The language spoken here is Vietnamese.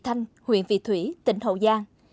thành huyện vị thủy tỉnh hậu giang